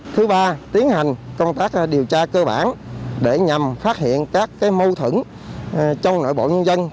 thứ ba tiến hành công tác điều tra cơ bản để nhằm phát hiện các mâu thửng trong nội bộ nhân dân